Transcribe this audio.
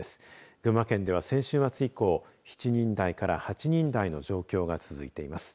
群馬県では、先週末以降７人台から８人台の状況が続いています。